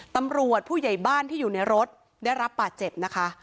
ตำรวจผู้ใหญ่บ้านที่อยู่ในรถได้รับบาดเจ็บนะคะ